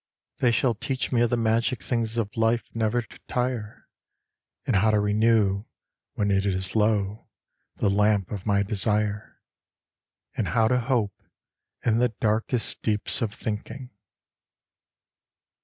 They shall teach me of the magic things of life never to tire, And how to renew, when it is low, the lamp of my desire And how to hope, in the darkest deeps of thinking.